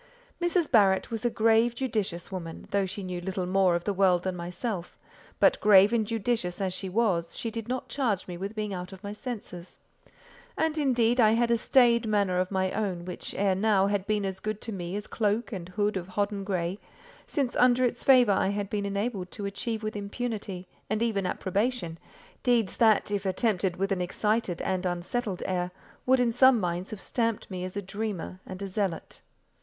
Mrs. Barrett was a grave, judicious woman, though she knew little more of the world than myself; but grave and judicious as she was, she did not charge me with being out of my senses; and, indeed, I had a staid manner of my own which ere now had been as good to me as cloak and hood of hodden grey, since under its favour I had been enabled to achieve with impunity, and even approbation, deeds that, if attempted with an excited and unsettled air, would in some minds have stamped me as a dreamer and zealot.